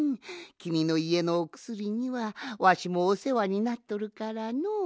きみのいえのおくすりにはわしもおせわになっとるからのう。